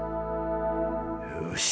よし。